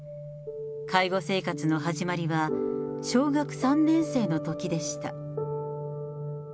介護生活の始まりは、小学３年生のときでした。